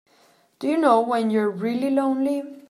Do you know when you're really lonely?